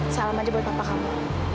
salam saja buat papa kamu